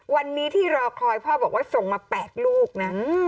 วันนี้ที่รอคอยพ่อบอกว่าส่งมา๘ลูกนะ